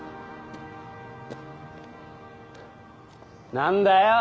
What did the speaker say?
何だよ。